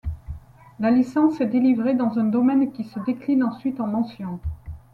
La licence est délivrée dans un domaine qui se décline ensuite en mentions.